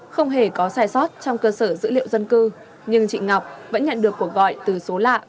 không hề có sai sót trong cơ sở dữ liệu dân cư nhưng chị ngọc vẫn nhận được cuộc gọi từ số lạ